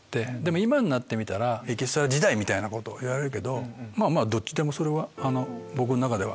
今になったらエキストラ時代みたいなことを言われるけどまぁどっちでも僕の中では。